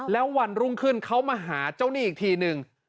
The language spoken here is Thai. แล้ววันรุ่งขึ้นเขามาหาเจ้าหนี้อีกทีนึง